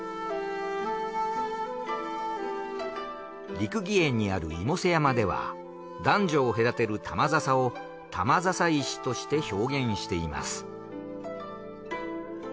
六義園にある妹背山では男女を隔てる玉笹を玉笹石として表現しています。